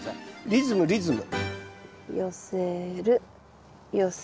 リズムリズム。